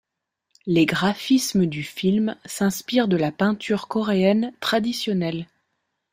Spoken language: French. Les graphismes du film s'inspirent de la peinture coréenne traditionnelle.